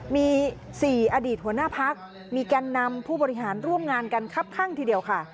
มี๔อดีตหัวหน้าพักมีแกนนำผู้บริหารร่วมงานกันครับข้างทีเดียวค่ะ